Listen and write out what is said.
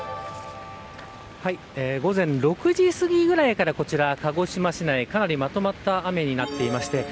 はい、午前６時すぎくらいから鹿児島市内はかなりまとまった雨になっていまして